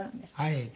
はい。